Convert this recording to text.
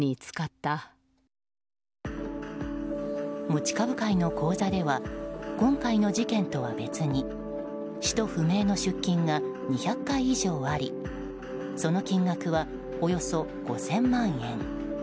持ち株会の口座では今回の事件とは別に使途不明の出金が２００回以上ありその金額は、およそ５０００万円。